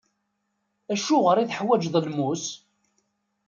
Acuɣer i teḥwaǧeḍ lmus?